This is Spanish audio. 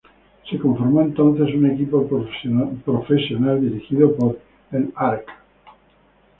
Se conformó entonces un equipo profesional dirigido por el Arq.